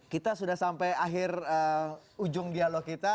kita sudah sampai akhir ujung dialog kita